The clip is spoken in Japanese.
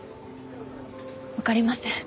わかりません。